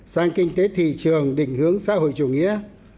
sang kinh tế thị trường định hướng xã hội chủ nghĩa